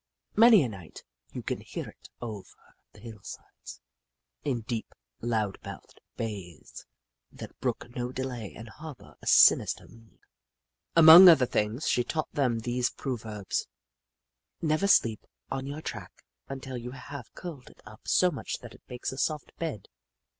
Many a night, you can hear it over the hillsides, in deep, loud mouthed bays that brook no delay and harbour a sinister meaning. Among other things, she taught them these proverbs :" Never sleep on your track until you have curled it up so much that it makes a soft bed.